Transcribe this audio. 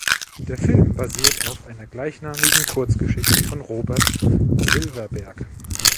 Der Film basiert auf einer gleichnamigen Kurzgeschichte von Robert Silverberg.